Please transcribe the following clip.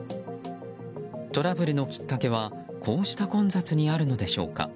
トラブルのきっかけはこうした混雑にあるのでしょうか。